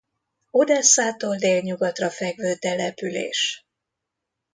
Odesszától délnyugatra fekvő település.